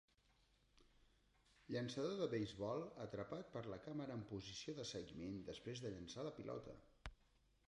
Llançador de beisbol atrapat per la càmera en posició de seguiment després de llançar la pilota.